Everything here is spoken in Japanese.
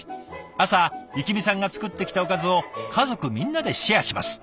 朝幸美さんが作ってきたおかずを家族みんなでシェアします。